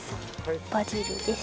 バジルです。